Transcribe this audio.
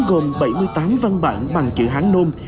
gồm bảy mươi tám văn bản bằng chữ hán nôm